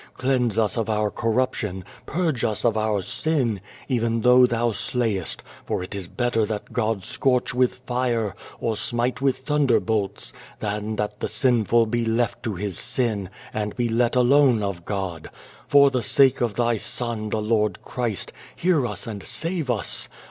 Cleanse us of our corruption, purge us of our sin, even though Thou slayest, for it is better that God scorch with fire, or smite with thunder bolts, than that the sinful be left to his sin, and be let alone of God. For the sake of Thy Son, the Lord Christ, hear us and save us.